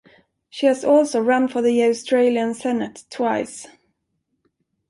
She has also run for the Australian Senate twice.